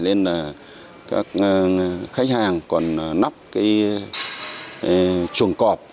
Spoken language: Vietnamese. nên là các khách hàng còn nắp cái chuồng cọp